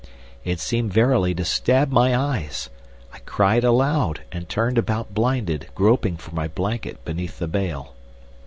It seemed verily to stab my eyes! I cried aloud and turned about blinded, groping for my blanket beneath the bale.